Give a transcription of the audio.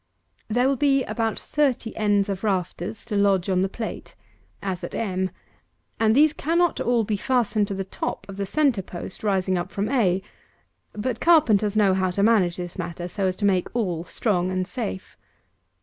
There will be about thirty ends of rafters to lodge on the plate, as at m; and these cannot all be fastened to the top of the centre post rising up from a; but carpenters know how to manage this matter, so as to make all strong and safe.